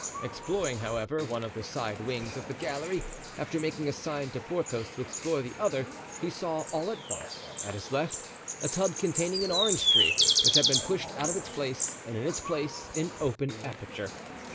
Exploring, however, one of the side wings of the gallery, after making a sign to Porthos to explore the other, he saw, all at once, at his left, a tub containing an orange tree, which had been pushed out of its place and in its place an open aperture.